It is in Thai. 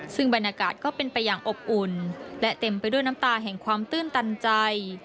ซึ่งบรรยากาศก็เป็นไปอย่างอบอุ่นและเต็มไปด้วยน้ำตาแห่งความตื้นตันใจ